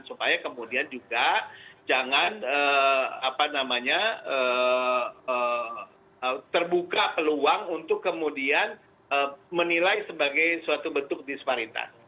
supaya kemudian juga jangan terbuka peluang untuk kemudian menilai sebagai suatu bentuk disparitas